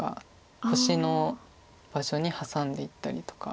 星の場所にハサんでいったりとか。